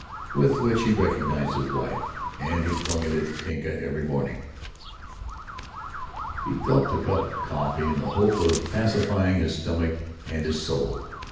with which he recognized his wife, and he flung it at Tinka every morning. He gulped a cup of coffee in the hope of pacifying his stomach and his soul.